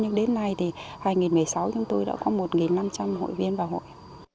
nhưng đến nay thì hai nghìn một mươi sáu chúng tôi đã có một năm trăm linh hội viên vào hội